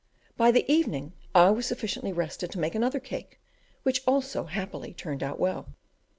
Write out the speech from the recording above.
By the evening I was sufficiently rested to make another cake, which also, happily, turned out well.